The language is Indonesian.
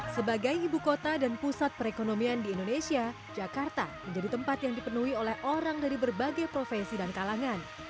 sebagai ibu kota dan pusat perekonomian di indonesia jakarta menjadi tempat yang dipenuhi oleh orang dari berbagai profesi dan kalangan